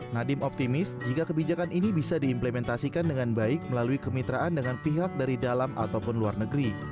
nadiem optimis jika kebijakan ini bisa diimplementasikan dengan baik melalui kemitraan dengan pihak dari dalam ataupun luar negeri